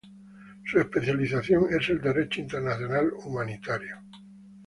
Su especialización es el Derecho Internacional Humanitario.